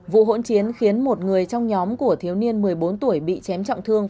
vụ hỗn chiến khiến một người trong nhóm của thiếu niên một mươi bốn tuổi bị chém trọng thương